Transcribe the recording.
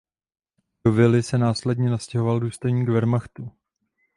Do vily se následně nastěhoval důstojník Wehrmachtu.